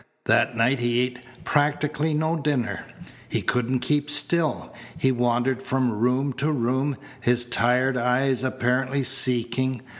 That night he ate practically no dinner. He couldn't keep still. He wandered from room to room, his tired eyes apparently seeking.